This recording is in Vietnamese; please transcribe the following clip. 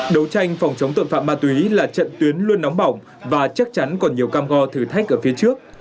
đấu tranh phòng chống tội phạm ma túy là trận tuyến luôn nóng bỏng và chắc chắn còn nhiều cam go thử thách ở phía trước